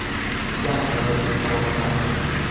而家唔夠句子搞錄音喇